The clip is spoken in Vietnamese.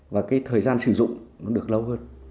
và cái thời gian sử dụng nó được lâu hơn